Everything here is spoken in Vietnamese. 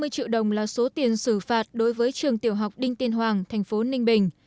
năm mươi triệu đồng là số tiền xử phạt đối với trường tiểu học đinh tiên hoàng thành phố ninh bình